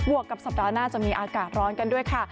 วกกับสัปดาห์หน้าจะมีอากาศร้อนกันด้วยค่ะ